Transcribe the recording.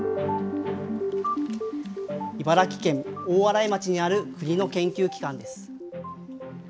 茨城県大洗町にある国の研究機関です。